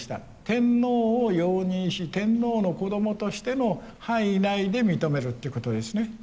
天皇を容認し天皇の子供としての範囲内で認めるということですね。